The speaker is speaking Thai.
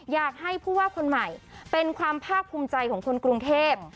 อยากให้ผู้ว่าคนใหม่เป็นความภาคภูมิใจของคนกรุงเทพ